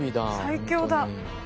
最強だ。